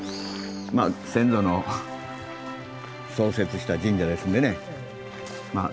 まあ先祖の創設した神社ですんでね。